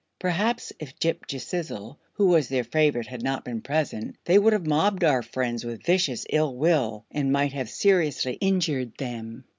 Perhaps if Ghip Ghisizzle, who was their favorite, had not been present, they would have mobbed our friends with vicious ill will and might have seriously injured them.